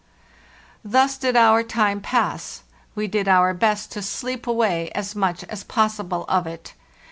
Thus did our time pass. We did our best to sleep away as much as possible of it.